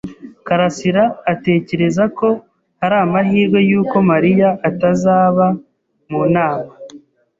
karasira atekereza ko hari amahirwe yuko Mariya atazaba mu nama.